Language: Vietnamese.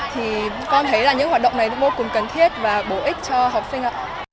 thì con thấy là những hoạt động này vô cùng cần thiết và bổ ích cho học sinh ạ